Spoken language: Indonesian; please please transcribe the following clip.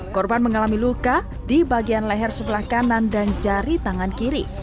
korban mengalami luka di bagian leher sebelah kanan dan jari tangan kiri